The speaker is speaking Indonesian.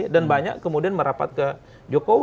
dan banyak kemudian merapat ke jokowi